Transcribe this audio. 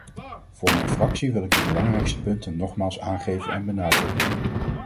Voor mijn fractie wil ik de belangrijkste punten nogmaals aangeven en benadrukken.